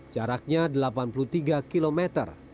jaraknya delapan puluh tiga km